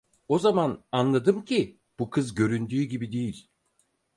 O zaman anladım ki bu kız göründüğü gibi değil.